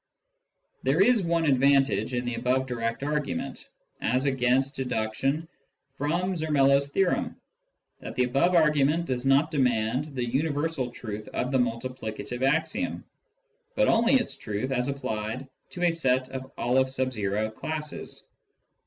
There is one advantage in the above direct argument, as against deduction from Zermelo's theorem, that the above argument does not demand the universal truth of the multi plicative axiom, but only its truth as applied to a set of N classes.